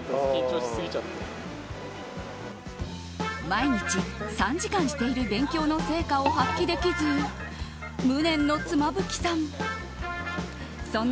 毎日３時間している勉強の成果を発揮できず無念の妻夫木さん。